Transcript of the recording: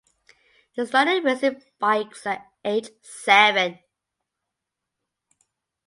He started racing bikes at age seven.